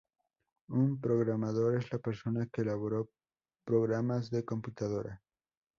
Un programador es la persona que elabora programas de computadora.